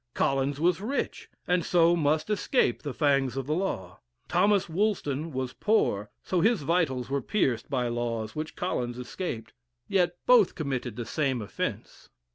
Collins was rich, and so must escape the fangs of the law. Thomas Woolston was poor, so his vitals were pierced by laws which Collins escaped yet both committed the same offence.